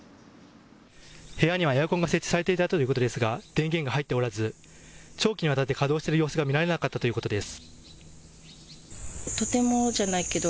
部屋にはエアコンが設置されていたということですが電源が入っておらず長期にわたって稼働する様子が見られなかったということです。